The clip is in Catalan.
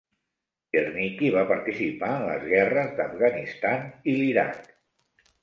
"Czernicki" va participar en les guerres d'Afganistan i l'Iraq.